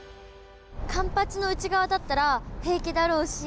環八の内側だったら平気だろうし。